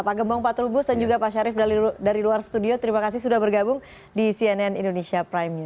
pak gembong pak trubus dan juga pak syarif dari luar studio terima kasih sudah bergabung di cnn indonesia prime news